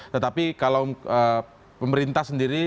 tetapi kalau pemerintah sendiri